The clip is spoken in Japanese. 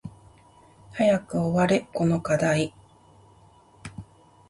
早く終われこの課題